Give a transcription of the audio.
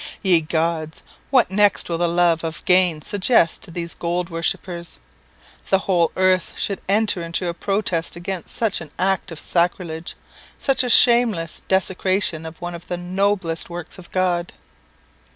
Ye gods! what next will the love of gain suggest to these gold worshippers? The whole earth should enter into a protest against such an act of sacrilege such a shameless desecration of one of the noblest works of God.